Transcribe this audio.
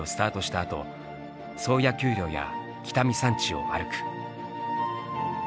あと宗谷丘陵や北見山地を歩く。